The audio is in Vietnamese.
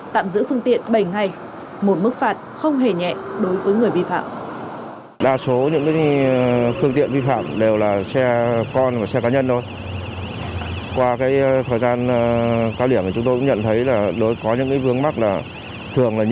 tạm giữ phương tiện bảy ngày một mức phạt không hề nhẹ đối với người vi phạm